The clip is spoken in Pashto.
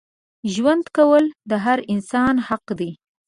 ژوند کول د هر انسان حق دی.